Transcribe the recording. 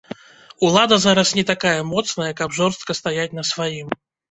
Улада зараз не такая моцная, каб жорстка стаяць на сваім.